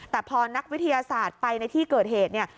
แต่พอนักวิทยาศาสตร์ไปในที่เกิดเหตุเนี่ย